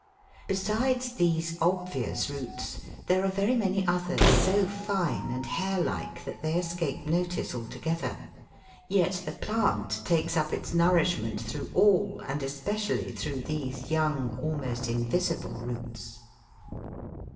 Besides these obvious roots, there are very many others so fine and hair like that they escape notice altogether. Yet the plant takes up its nourishment through all and especially through these young, almost invisible roots (Fig.